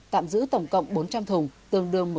tạm giữ tổng cộng bốn trăm linh thùng tương đương